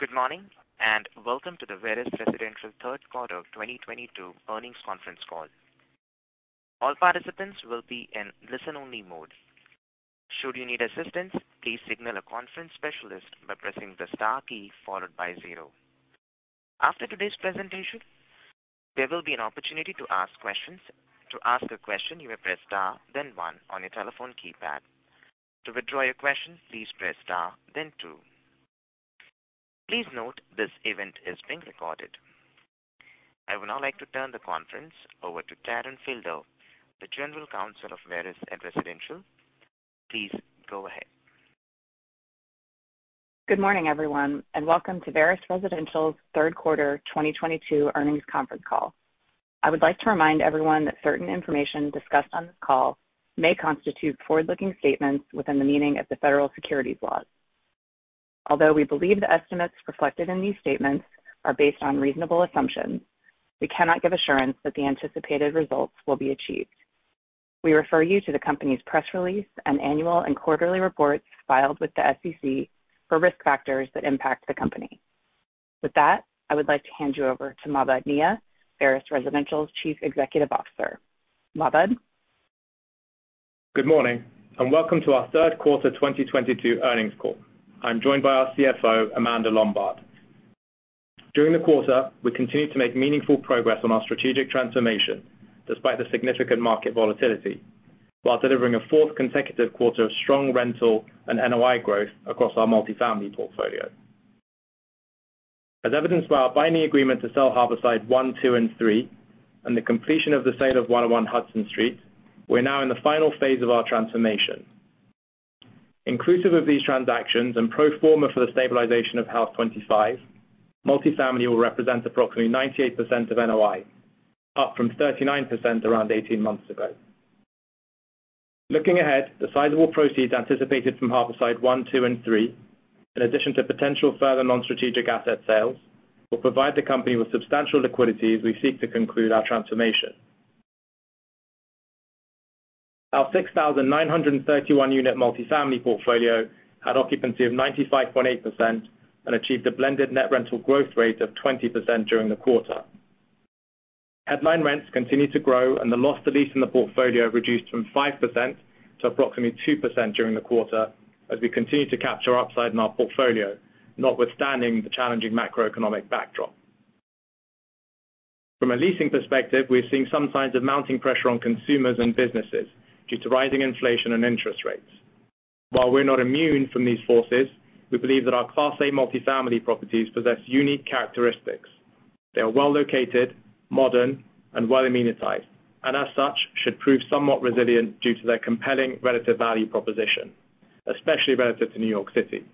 Good morning, and welcome to the Veris Residential third quarter 2022 earnings conference call. All participants will be in listen-only mode. Should you need assistance, please signal a conference specialist by pressing the star key followed by zero. After today's presentation, there will be an opportunity to ask questions. To ask a question, you may press star then one on your telephone keypad. To withdraw your question, please press star then two. Please note this event is being recorded. I would now like to turn the conference over to Taryn Fildow, the General Counsel of Veris Residential. Please go ahead. Good morning, everyone, and welcome to Veris Residential's third quarter 2022 earnings conference call. I would like to remind everyone that certain information discussed on this call may constitute forward-looking statements within the meaning of the federal securities laws. Although we believe the estimates reflected in these statements are based on reasonable assumptions, we cannot give assurance that the anticipated results will be achieved. We refer you to the company's press release and annual and quarterly reports filed with the SEC for risk factors that impact the company. With that, I would like to hand you over to Mahbod Nia, Veris Residential's Chief Executive Officer. Mahbod. Good morning, and welcome to our third quarter 2022 earnings call. I'm joined by our CFO, Amanda Lombard. During the quarter, we continued to make meaningful progress on our strategic transformation despite the significant market volatility, while delivering a fourth consecutive quarter of strong rental and NOI growth across our multifamily portfolio. As evidenced by our binding agreement to sell Harborside 1, 2, and 3, and the completion of the sale of 101 Hudson Street, we're now in the final phase of our transformation. Inclusive of these transactions and pro forma for the stabilization of Haus25, multifamily will represent approximately 98% of NOI, up from 39% around 18 months ago. Looking ahead, the sizable proceeds anticipated from Harborside 1, 2, and 3, in addition to potential further non-strategic asset sales, will provide the company with substantial liquidity as we seek to conclude our transformation. Our 6,931-unit multifamily portfolio had occupancy of 95.8% and achieved a blended net rental growth rate of 20% during the quarter. Headline rents continued to grow and the loss of lease in the portfolio reduced from 5% to approximately 2% during the quarter as we continue to capture upside in our portfolio, notwithstanding the challenging macroeconomic backdrop. From a leasing perspective, we're seeing some signs of mounting pressure on consumers and businesses due to rising inflation and interest rates. While we're not immune from these forces, we believe that our class A multifamily properties possess unique characteristics. They are well-located, modern, and well amenitized, and as such, should prove somewhat resilient due to their compelling relative value proposition, especially relative to New York City.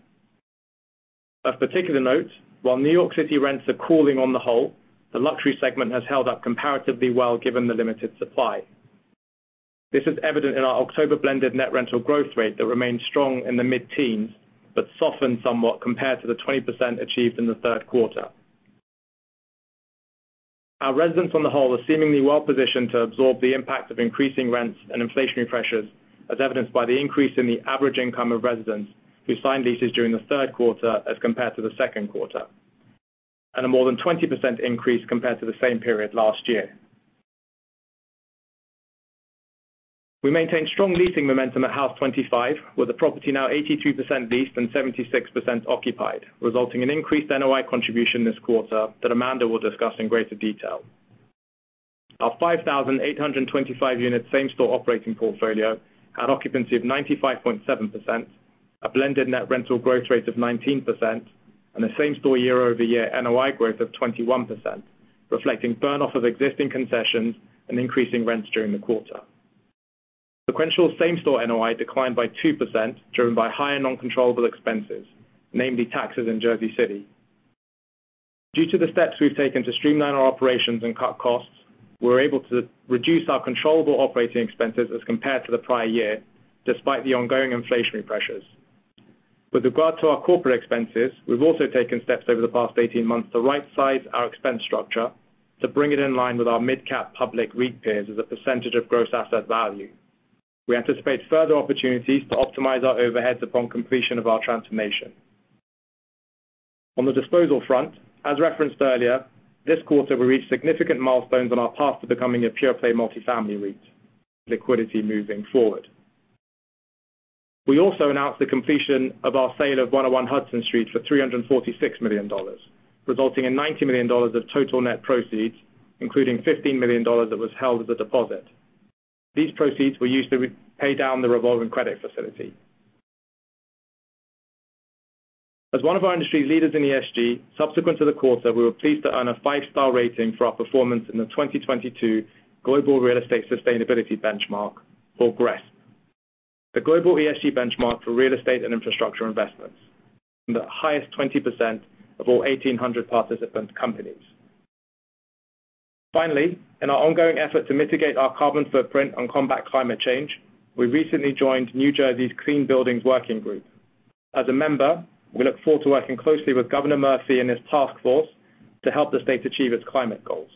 Of particular note, while New York City rents are cooling on the whole, the luxury segment has held up comparatively well given the limited supply. This is evident in our October blended net rental growth rate that remains strong in the mid-teens, but softened somewhat compared to the 20% achieved in the third quarter. Our residents on the whole are seemingly well-positioned to absorb the impact of increasing rents and inflationary pressures, as evidenced by the increase in the average income of residents who signed leases during the third quarter as compared to the second quarter, and a more than 20% increase compared to the same period last year. We maintained strong leasing momentum at Haus25, with the property now 82% leased and 76% occupied, resulting in increased NOI contribution this quarter that Amanda will discuss in greater detail. Our 5,825-unit same-store operating portfolio had occupancy of 95.7%, a blended net rental growth rate of 19%, and a same-store year-over-year NOI growth of 21%, reflecting burn off of existing concessions and increasing rents during the quarter. Sequential same-store NOI declined by 2%, driven by higher non-controllable expenses, namely taxes in Jersey City. Due to the steps we've taken to streamline our operations and cut costs, we're able to reduce our controllable operating expenses as compared to the prior year, despite the ongoing inflationary pressures. With regard to our corporate expenses, we've also taken steps over the past 18 months to rightsize our expense structure to bring it in line with our midcap public REIT peers as a percentage of gross asset value. We anticipate further opportunities to optimize our overheads upon completion of our transformation. On the disposal front, as referenced earlier, this quarter we reached significant milestones on our path to becoming a pure-play multifamily REIT. Liquidity moving forward. We also announced the completion of our sale of 101 Hudson Street for $346 million, resulting in $90 million of total net proceeds, including $15 million that was held as a deposit. These proceeds were used to repay the revolving credit facility. As one of our industry leaders in ESG, subsequent to the quarter, we were pleased to earn a five-star rating for our performance in the 2022 Global Real Estate Sustainability Benchmark, or GRESB, the global ESG benchmark for real estate and infrastructure investments, in the highest 20% of all 1,800 participant companies. Finally, in our ongoing effort to mitigate our carbon footprint and combat climate change, we recently joined New Jersey's Clean Buildings Working Group. As a member, we look forward to working closely with Governor Murphy and his task force to help the state achieve its climate goals.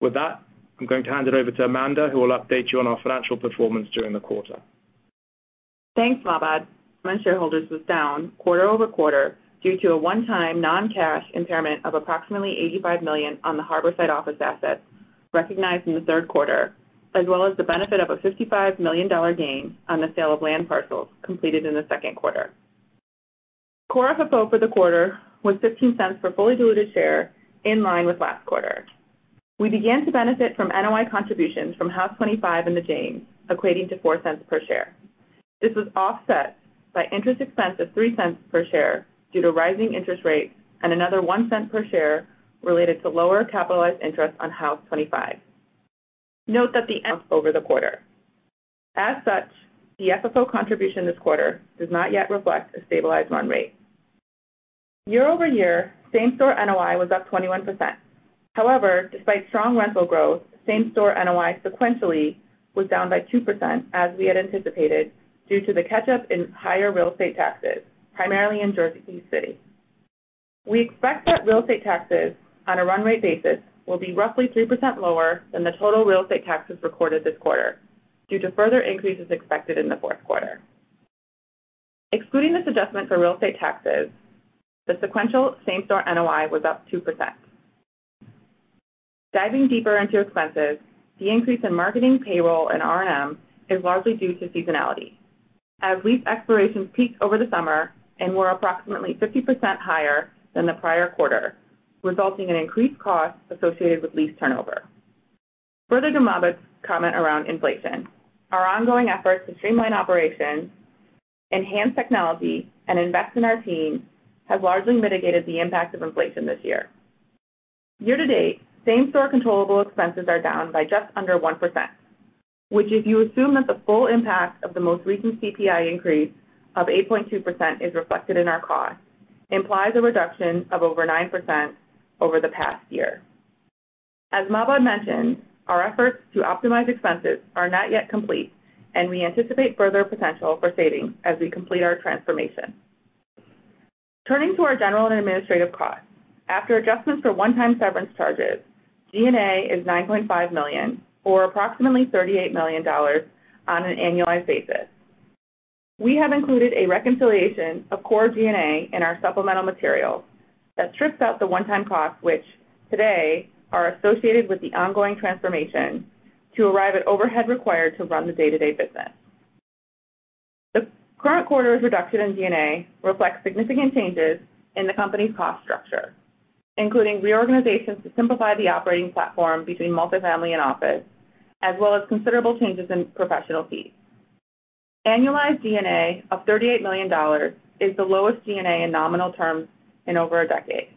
With that, I'm going to hand it over to Amanda, who will update you on our financial performance during the quarter. Thanks, Mahbod. FFO per share was down quarter-over-quarter due to a one-time non-cash impairment of approximately $85 million on the Harborside office assets recognized in the third quarter, as well as the benefit of a $55 million gain on the sale of land parcels completed in the second quarter. Core FFO for the quarter was $0.15 per fully diluted share in line with last quarter. We began to benefit from NOI contributions from Haus25 and The James, equating to $0.04 per share. This was offset by interest expense of $0.03 per share due to rising interest rates and another $0.01 per share related to lower capitalized interest on Haus25. As such, the FFO contribution this quarter does not yet reflect a stabilized run rate. Year-over-year, same-store NOI was up 21%. However, despite strong rental growth, same-store NOI sequentially was down 2%, as we had anticipated, due to the catch-up in higher real estate taxes, primarily in Jersey City. We expect that real estate taxes on a run rate basis will be roughly 3% lower than the total real estate taxes recorded this quarter due to further increases expected in the fourth quarter. Excluding this adjustment for real estate taxes, the sequential same-store NOI was up 2%. Diving deeper into expenses, the increase in marketing payroll and R&M is largely due to seasonality as lease expirations peaked over the summer and were approximately 50% higher than the prior quarter, resulting in increased costs associated with lease turnover. Further to Mahbod's comment around inflation, our ongoing efforts to streamline operations, enhance technology, and invest in our team has largely mitigated the impact of inflation this year. Year to date, same-store controllable expenses are down by just under 1%, which if you assume that the full impact of the most recent CPI increase of 8.2% is reflected in our costs, implies a reduction of over 9% over the past year. As Mahbod mentioned, our efforts to optimize expenses are not yet complete, and we anticipate further potential for savings as we complete our transformation. Turning to our general and administrative costs, after adjustments for one-time severance charges, G&A is $9.5 million or approximately $38 million on an annualized basis. We have included a reconciliation of core G&A in our supplemental materials that strips out the one-time costs which today are associated with the ongoing transformation to arrive at overhead required to run the day-to-day business. The current quarter's reduction in G&A reflects significant changes in the company's cost structure, including reorganizations to simplify the operating platform between multifamily and office, as well as considerable changes in professional fees. Annualized G&A of $38 million is the lowest G&A in nominal terms in over a decade.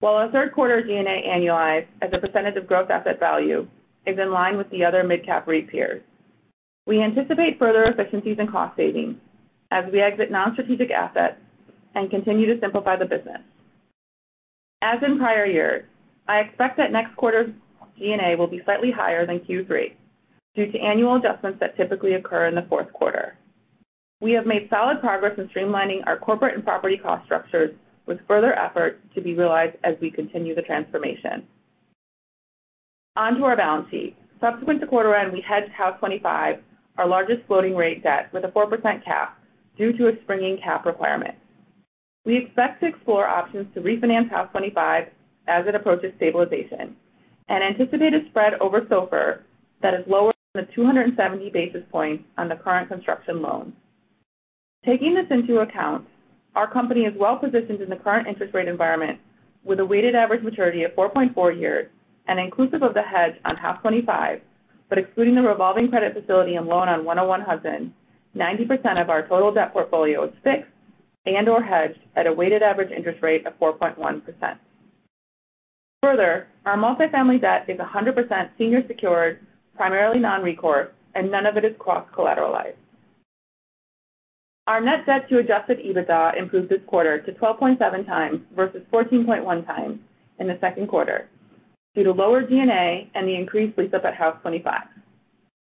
While our third quarter G&A annualized as a percentage of gross asset value is in line with the other midcap REIT peers. We anticipate further efficiencies and cost savings as we exit non-strategic assets and continue to simplify the business. As in prior years, I expect that next quarter's G&A will be slightly higher than Q3 due to annual adjustments that typically occur in the fourth quarter. We have made solid progress in streamlining our corporate and property cost structures with further efforts to be realized as we continue the transformation. On to our balance sheet. Subsequent to quarter end, we had Haus25, our largest floating rate debt with a 4% cap due to a springing cap requirement. We expect to explore options to refinance Haus25 as it approaches stabilization and anticipate a spread over SOFR that is lower than the 270 basis points on the current construction loan. Taking this into account, our company is well-positioned in the current interest rate environment with a weighted average maturity of 4.4 years and inclusive of the hedge on Haus25, but excluding the revolving credit facility and loan on 101 Hudson, 90% of our total debt portfolio is fixed and/or hedged at a weighted average interest rate of 4.1%. Further, our multifamily debt is 100% senior secured, primarily non-recourse, and none of it is cross-collateralized. Our net debt to Adjusted EBITDA improved this quarter to 12.7x versus 14.1x in the second quarter due to lower G&A and the increased lease-up at Haus25.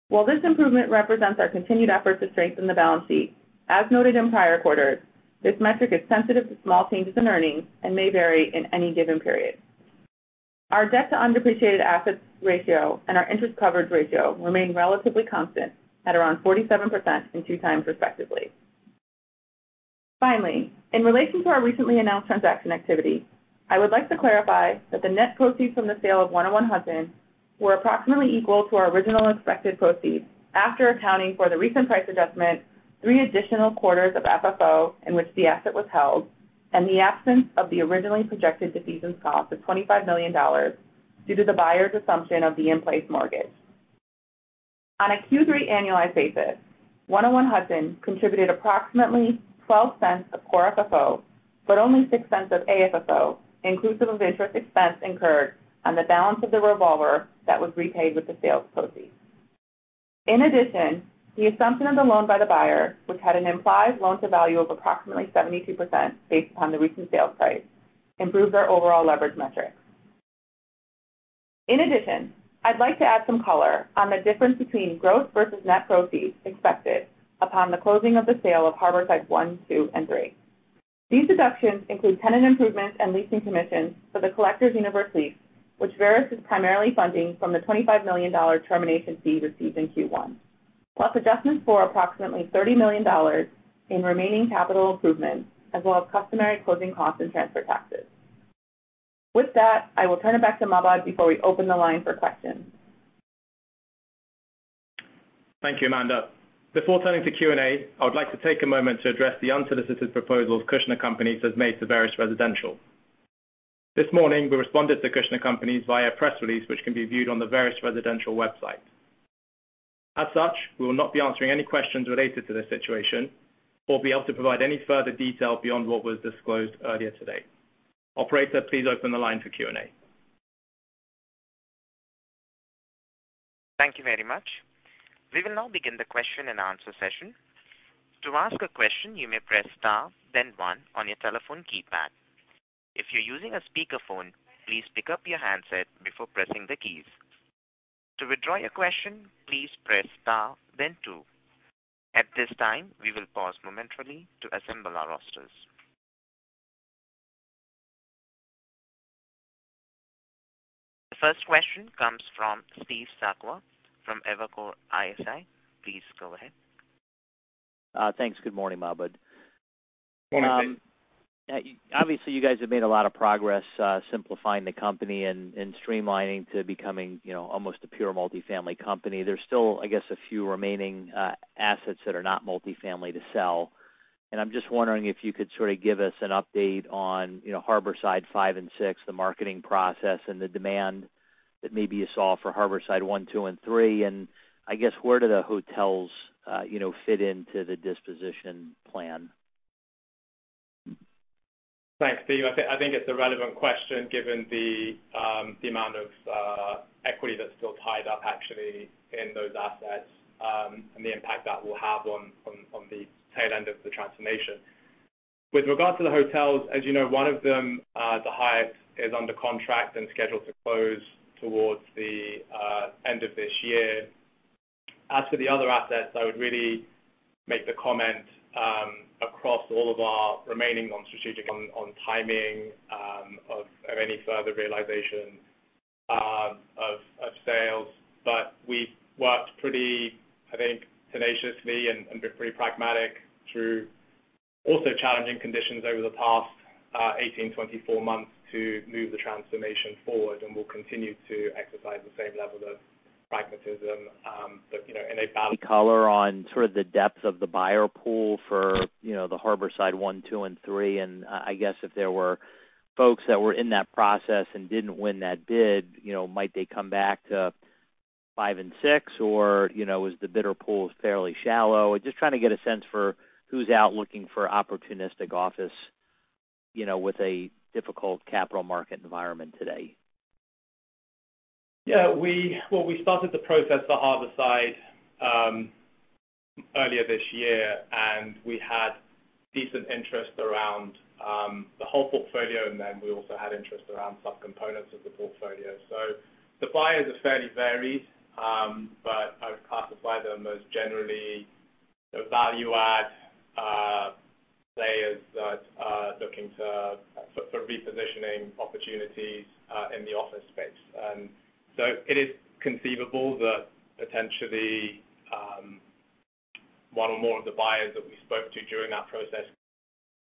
While this improvement represents our continued effort to strengthen the balance sheet, as noted in prior quarters, this metric is sensitive to small changes in earnings and may vary in any given period. Our debt to undepreciated assets ratio and our interest coverage ratio remain relatively constant at around 47% and 2x respectively. Finally, in relation to our recently announced transaction activity, I would like to clarify that the net proceeds from the sale of 101 Hudson were approximately equal to our original expected proceeds after accounting for the recent price adjustment, three additional quarters of FFO in which the asset was held, and the absence of the originally projected defeasance cost of $25 million due to the buyer's assumption of the in-place mortgage. On a Q3 annualized basis, 101 Hudson contributed approximately 12 cents of Core FFO, but only 6 cents of AFFO inclusive of interest expense incurred on the balance of the revolver that was repaid with the sale proceeds. In addition, the assumption of the loan by the buyer, which had an implied loan to value of approximately 72% based upon the recent sale price, improved our overall leverage metrics. In addition, I'd like to add some color on the difference between gross versus net proceeds expected upon the closing of the sale of Harborside 1, 2, and 3. These deductions include tenant improvements and leasing commissions for the Collectors Universe lease, which Veris is primarily funding from the $25 million termination fee received in Q1. Plus adjustments for approximately $30 million in remaining capital improvements, as well as customary closing costs and transfer taxes. With that, I will turn it back to Mahbod before we open the line for questions. Thank you, Amanda. Before turning to Q&A, I would like to take a moment to address the unsolicited proposals Kushner Companies has made to Veris Residential. This morning, we responded to Kushner Companies via press release, which can be viewed on the Veris Residential website. As such, we will not be answering any questions related to this situation or be able to provide any further detail beyond what was disclosed earlier today. Operator, please open the line for Q&A. Thank you very much. We will now begin the question and answer session. To ask a question, you may press Star, then one on your telephone keypad. If you're using a speakerphone, please pick up your handset before pressing the keys. To withdraw your question, please press Star then two. At this time, we will pause momentarily to assemble our rosters. The first question comes from Steve Sakwa from Evercore ISI. Please go ahead. Thanks. Good morning, Mahbod. Morning. Obviously you guys have made a lot of progress simplifying the company and streamlining to becoming, you know, almost a pure multifamily company. There's still, I guess, a few remaining assets that are not multifamily to sell. I'm just wondering if you could sort of give us an update on, you know, Harborside 5 and 6, the marketing process and the demand that maybe you saw for Harborside 1, 2, and 3. I guess, where do the hotels, you know, fit into the disposition plan? Thanks, Steve. I think it's a relevant question given the amount of equity that's still tied up actually in those assets and the impact that will have on the tail end of the transformation. With regards to the hotels, as you know, one of them, the Hyatt is under contract and scheduled to close towards the end of this year. As for the other assets, I would really make the comment across all of our remaining non-strategic on timing of any further realization of sales. We've worked pretty, I think, tenaciously and been pretty pragmatic through also challenging conditions over the past 18, 24 months to move the transformation forward, and we'll continue to exercise the same level of pragmatism that you know in a bal- Color on sort of the depth of the buyer pool for, you know, the Harborside 1, 2, and 3. I guess if there were folks that were in that process and didn't win that bid, you know, might they come back to 5 and 6, or, you know, is the bidder pool fairly shallow? Just trying to get a sense for who's out looking for opportunistic office, you know, with a difficult capital market environment today. Yeah. Well, we started the process for Harborside earlier this year, and we had decent interest around the whole portfolio. We also had interest around subcomponents of the portfolio. The buyers are fairly varied, but I would classify them as generally the value-add players that are looking for repositioning opportunities in the office space. It is conceivable that potentially one or more of the buyers that we spoke to during that process.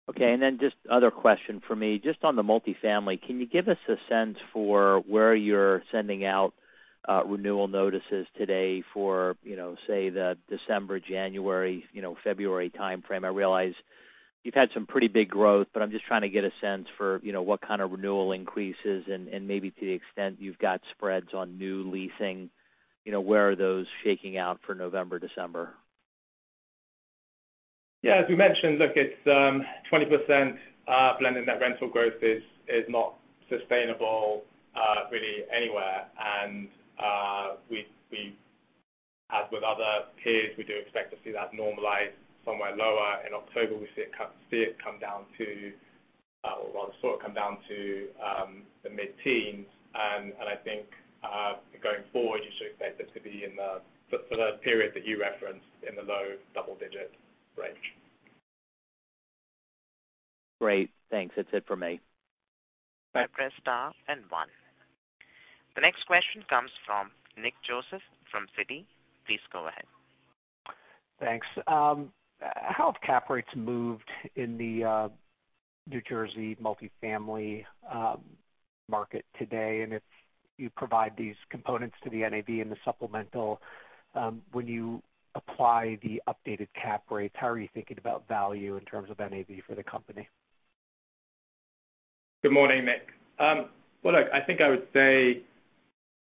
Okay. Just one other question for me, just on the multifamily, can you give us a sense for where you're sending out renewal notices today for, you know, say, the December, January, you know, February timeframe? I realize you've had some pretty big growth, but I'm just trying to get a sense for, you know, what kind of renewal increases and maybe to the extent you've got spreads on new leasing, you know, where are those shaking out for November, December. Yeah. As we mentioned, look, it's 20% blended net rental growth is not sustainable really anywhere. We, as with other peers, do expect to see that normalize somewhere lower. In October, we see it come down to, well, sort of, the mid-teens. I think going forward, you should expect it to be in the low double-digit range for the period that you referenced. Great. Thanks. That's it for me. Bye. You may press star and one. The next question comes from Nick Joseph from Citi. Please go ahead. Thanks. How have cap rates moved in the New Jersey multifamily market today? If you provide these components to the NAV in the supplemental, when you apply the updated cap rates, how are you thinking about value in terms of NAV for the company? Good morning, Nick. Well, look, I think I would say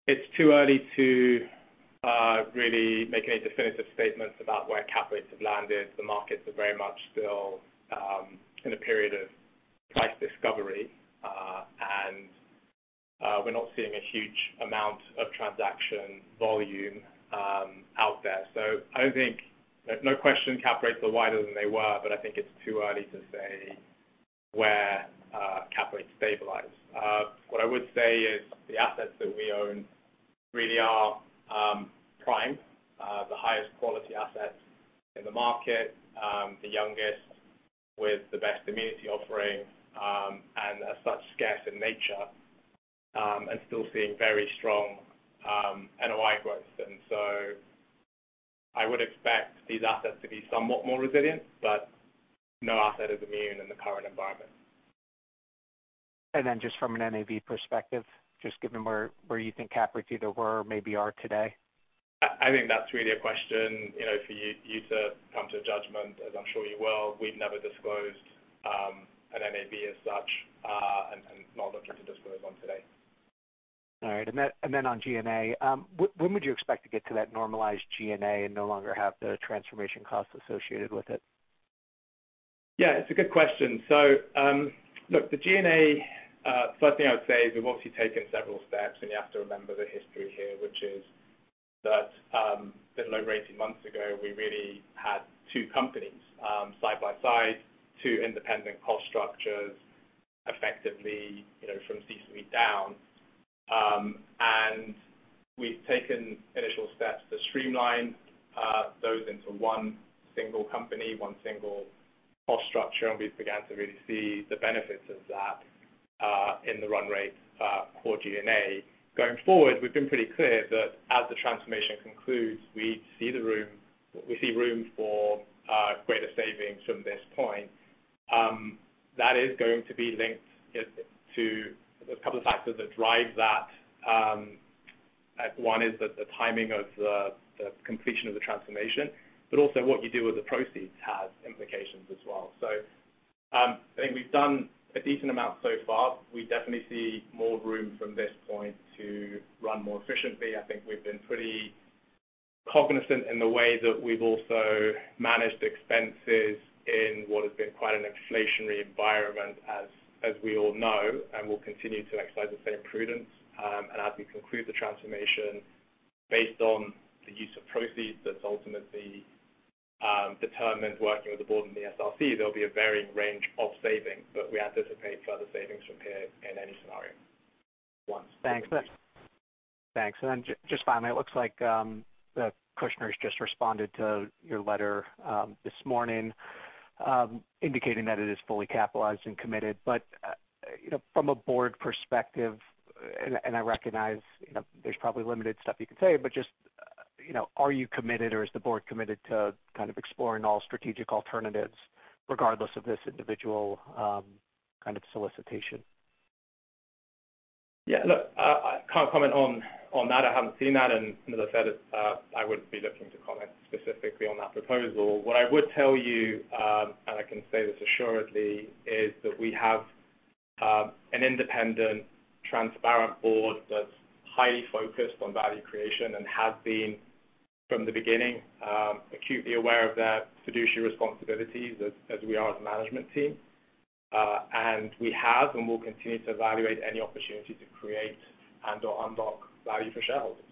it's too early to really make any definitive statements about where cap rates have landed. The markets are very much still in a period of price discovery. We're not seeing a huge amount of transaction volume out there. I don't think there's no question cap rates are wider than they were, but I think it's too early to say where to stabilize. What I would say is the assets that we own really are prime, the highest quality assets in the market, the youngest with the best amenity offering, and as such, scarce in nature, and still seeing very strong NOI growth. I would expect these assets to be somewhat more resilient, but no asset is immune in the current environment. Just from an NAV perspective, just given where you think cap rates either were or maybe are today. I think that's really a question, you know, for you to come to a judgment as I'm sure you will. We've never disclosed an NAV as such, and not looking to disclose one today. All right. When would you expect to get to that normalized G&A and no longer have the transformation costs associated with it? Yeah, it's a good question. Look, the G&A, first thing I would say is we've obviously taken several steps, and you have to remember the history here, which is that, about four months ago, we really had two companies, side by side, two independent cost structures effectively, you know, from C-suite down. We've taken initial steps to streamline those into one single company, one single cost structure, and we've began to really see the benefits of that, in the run rate, core G&A. Going forward, we've been pretty clear that as the transformation concludes, we see room for greater savings from this point. That is going to be linked to a couple of factors that drive that. One is the timing of the completion of the transformation, but also what you do with the proceeds has implications as well. I think we've done a decent amount so far. We definitely see more room from this point to run more efficiently. I think we've been pretty cognizant in the way that we've also managed expenses in what has been quite an inflationary environment as we all know, and we'll continue to exercise the same prudence. As we conclude the transformation based on the use of proceeds that's ultimately determined working with the board and the SRC, there'll be a varying range of savings, but we anticipate further savings from here in any scenario. Thanks. Thanks. Just finally, it looks like the Kushners just responded to your letter this morning, indicating that it is fully capitalized and committed. You know, from a board perspective, I recognize you know there's probably limited stuff you can say, but just you know, are you committed or is the board committed to kind of exploring all strategic alternatives regardless of this individual kind of solicitation? Yeah. Look, I can't comment on that. I haven't seen that. As I said, I wouldn't be looking to comment specifically on that proposal. What I would tell you, and I can say this assuredly, is that we have an independent, transparent board that's highly focused on value creation and has been from the beginning, acutely aware of their fiduciary responsibilities as we are as a management team. We have and will continue to evaluate any opportunity to create and/or unlock value for shareholders.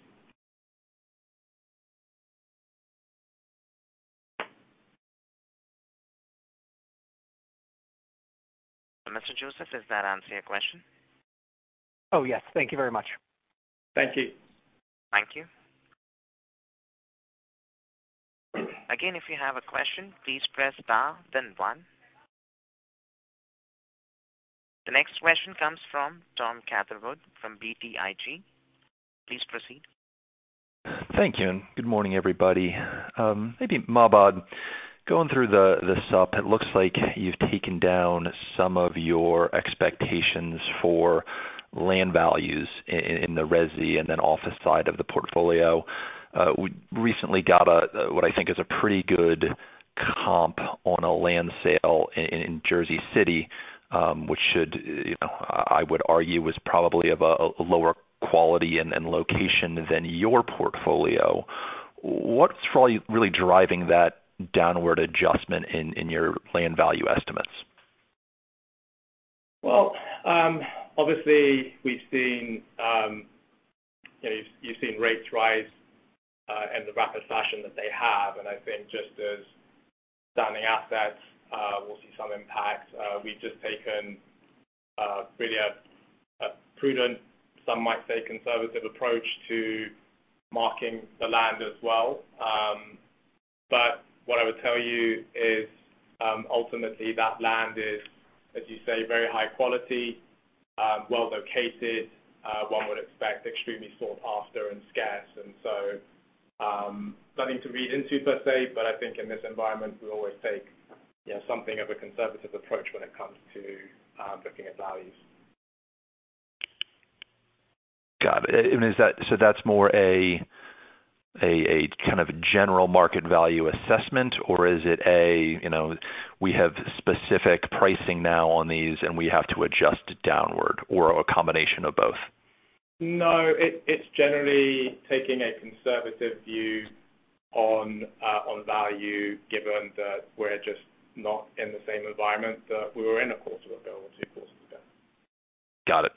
Mr. Joseph, does that answer your question? Oh, yes. Thank you very much. Thank you. Thank you. Again, if you have a question, please press star then one. The next question comes from Tom Catherwood from BTIG. Please proceed. Thank you, and good morning, everybody. Maybe Mahbod, going through the supp, it looks like you've taken down some of your expectations for land values in the resi and then office side of the portfolio. We recently got a what I think is a pretty good comp on a land sale in Jersey City, which should, you know, I would argue was probably of a lower quality and location than your portfolio. What's probably really driving that downward adjustment in your land value estimates? Well, obviously we've seen, you know, you've seen rates rise in the rapid fashion that they have. I think just as standing assets, we'll see some impact. We've just taken really a prudent, some might say conservative approach to marking the land as well. What I would tell you is, ultimately that land is, as you say, very high quality, well located, one would expect extremely sought after and scarce. Nothing to read into per se, but I think in this environment we always take, you know, something of a conservative approach when it comes to looking at values. Got it. Is that more a kind of general market value assessment, or is it, you know, we have specific pricing now on these and we have to adjust downward or a combination of both? No, it's generally taking a conservative view on value given that we're just not in the same environment that we were in a quarter ago or two quarters ago. Got it.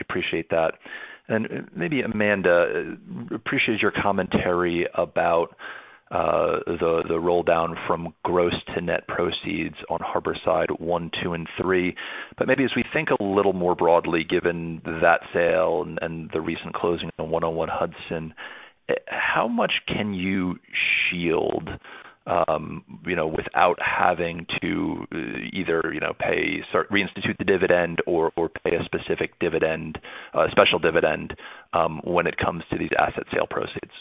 Appreciate that. Maybe Amanda, appreciate your commentary about the roll down from gross to net proceeds on Harborside 1, 2, and 3. Maybe as we think a little more broadly, given that sale and the recent closing on 101 Hudson, how much can you shield, you know, without having to either, you know, reinstitute the dividend or pay a specific dividend, special dividend, when it comes to these asset sale proceeds?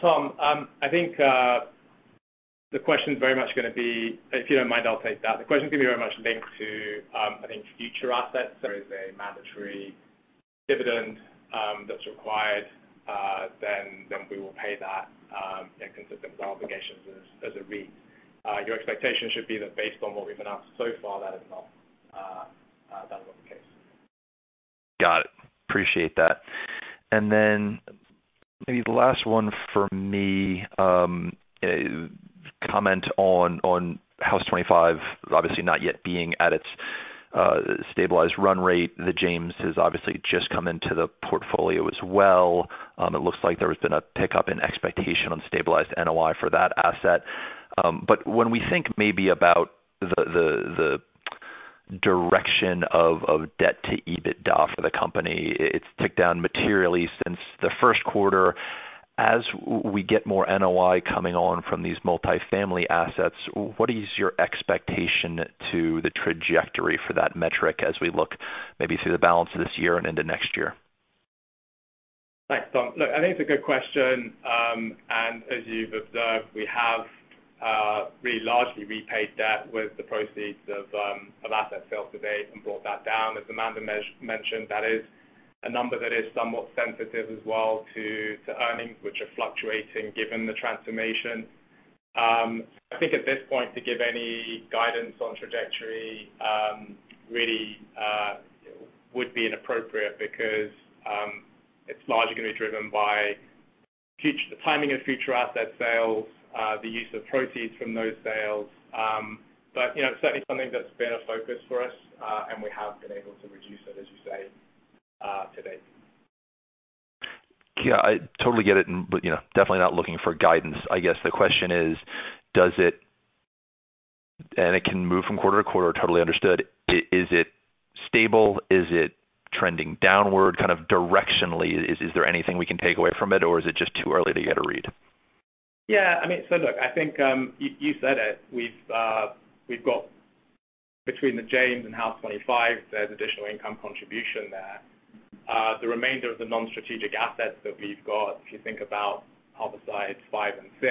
Tom, I think the question is very much gonna be. If you don't mind, I'll take that. The question is gonna be very much linked to, I think, future assets. There is a mandatory dividend that's required, then we will pay that, consistent with our obligations as a REIT. Your expectation should be that based on what we've announced so far, that is not the case. Got it. Appreciate that. Then maybe the last one for me, comment on Haus25, obviously not yet being at its stabilized run rate. The James has obviously just come into the portfolio as well. It looks like there has been a pickup in expectation on stabilized NOI for that asset. When we think maybe about the direction of debt to EBITDA for the company, it's ticked down materially since the first quarter. As we get more NOI coming on from these multi-family assets, what is your expectation to the trajectory for that metric as we look maybe through the balance of this year and into next year? Thanks, Tom. Look, I think it's a good question. As you've observed, we have really largely repaid debt with the proceeds of asset sales to date and brought that down. As Amanda mentioned, that is a number that is somewhat sensitive as well to earnings, which are fluctuating given the transformation. I think at this point, to give any guidance on trajectory really would be inappropriate because it's largely gonna be driven by the timing of future asset sales, the use of proceeds from those sales. You know, it's certainly something that's been a focus for us, and we have been able to reduce it, as you say, to date. Yeah, I totally get it, but you know, definitely not looking for guidance. I guess the question is. It can move from quarter to quarter, totally understood. Is it stable? Is it trending downward kind of directionally? Is there anything we can take away from it or is it just too early to get a read? Yeah. I mean, look, I think you said it. We've got between The James and Haus25, there's additional income contribution there. The remainder of the non-strategic assets that we've got, if you think about Harborside 5 and 6,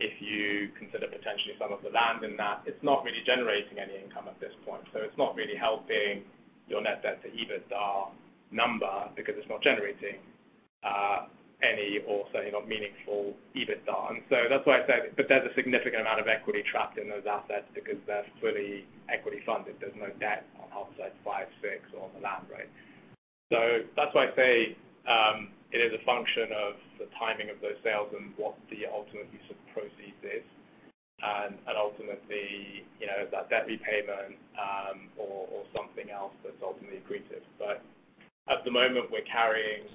if you consider potentially some of the land in that, it's not really generating any income at this point, so it's not really helping your net debt to EBITDA number because it's not generating any or certainly not meaningful EBITDA. That's why I said, but there's a significant amount of equity trapped in those assets because they're fully equity funded. There's no debt on Harborside 5, 6, or on the land, right? That's why I say it is a function of the timing of those sales and what the ultimate use of proceeds is. Ultimately, you know, is that debt repayment or something else that's ultimately accretive. At the moment, we're carrying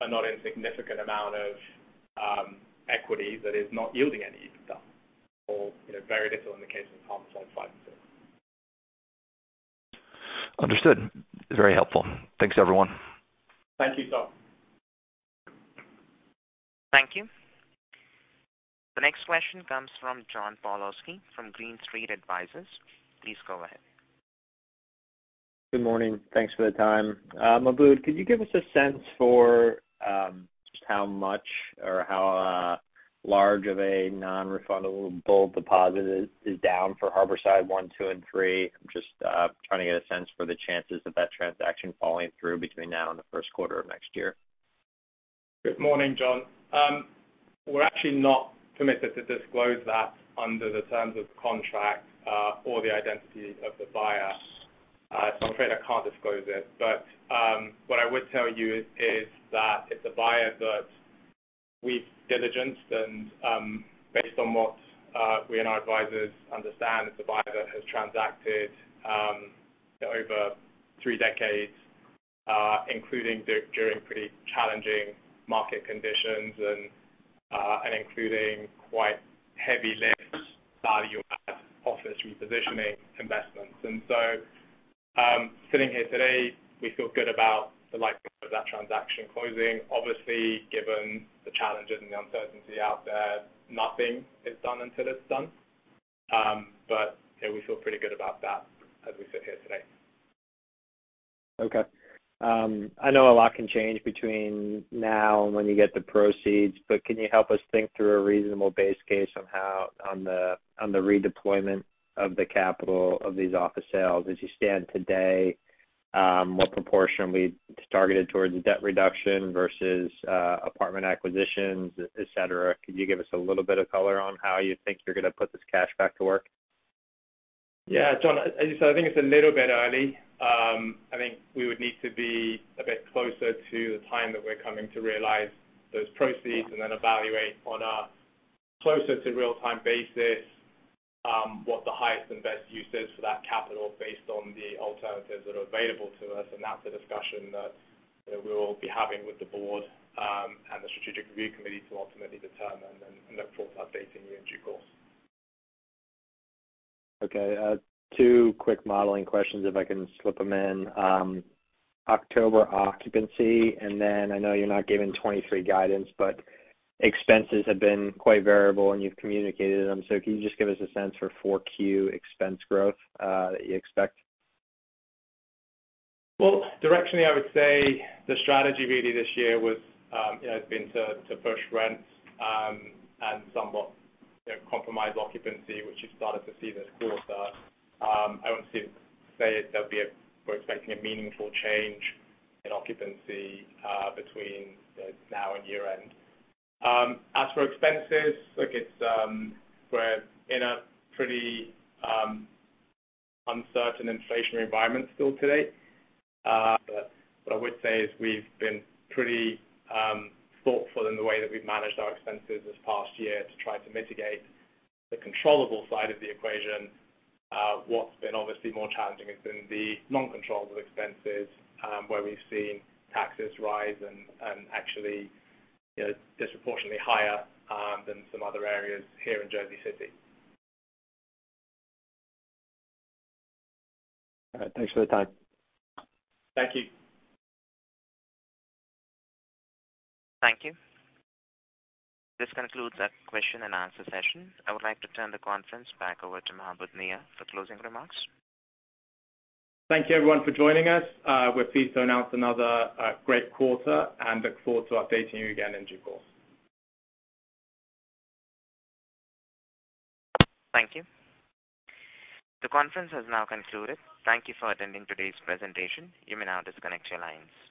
a not insignificant amount of equity that is not yielding any EBITDA or, you know, very little in the case of Harborside 5 and 6. Understood. Very helpful. Thanks, everyone. Thank you, Tom. Thank you. The next question comes from John Pawlowski from Green Street Advisors. Please go ahead. Good morning. Thanks for the time. Mahbod, could you give us a sense for just how much or how large of a non-refundable deposit is down for Harborside 1, 2, and 3? I'm just trying to get a sense for the chances of that transaction following through between now and the first quarter of next year. Good morning, John. We're actually not permitted to disclose that under the terms of contract, or the identity of the buyer. I'm afraid I can't disclose it. What I would tell you is that it's a buyer that we've diligenced and, based on what we and our advisors understand, it's a buyer that has transacted over three decades, including during pretty challenging market conditions and including quite heavy lift value add office repositioning investments. Sitting here today, we feel good about the likelihood of that transaction closing. Obviously, given the challenges and the uncertainty out there, nothing is done until it's done. Yeah, we feel pretty good about that as we sit here today. Okay. I know a lot can change between now and when you get the proceeds, but can you help us think through a reasonable base case on the redeployment of the capital of these office sales? As you stand today, what proportion is targeted towards debt reduction versus apartment acquisitions, et cetera. Could you give us a little bit of color on how you think you're gonna put this cash back to work? Yeah, John, I think it's a little bit early. I think we would need to be a bit closer to the time that we're coming to realize those proceeds and then evaluate on a closer to real-time basis what the highest and best use is for that capital based on the alternatives that are available to us. That's a discussion that we'll be having with the board and the strategic review committee to ultimately determine and look forward to updating you in due course. Okay. Two quick modeling questions, if I can slip them in. October occupancy, and then I know you're not giving 2023 guidance, but expenses have been quite variable, and you've communicated them. Can you just give us a sense for 4Q expense growth, that you expect? Well, directionally, I would say the strategy really this year was, you know, has been to push rents, and somewhat, you know, compromise occupancy, which you started to see this quarter. I wouldn't say we're expecting a meaningful change in occupancy, between, you know, now and year-end. As for expenses, look, we're in a pretty, uncertain inflationary environment still today. What I would say is we've been pretty, thoughtful in the way that we've managed our expenses this past year to try to mitigate the controllable side of the equation. What's been obviously more challenging has been the non-controllable expenses, where we've seen taxes rise and actually, you know, disproportionately higher than some other areas here in Jersey City. All right. Thanks for the time. Thank you. Thank you. This concludes our question and answer session. I would like to turn the conference back over to Mahbod Nia for closing remarks. Thank you everyone for joining us. We're pleased to announce another great quarter and look forward to updating you again in due course. Thank you. The conference has now concluded. Thank you for attending today's presentation. You may now disconnect your lines.